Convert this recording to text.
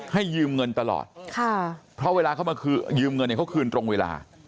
ยืมเงินตลอดค่ะเพราะเวลาเขามายืมเงินเนี่ยเขาคืนตรงเวลา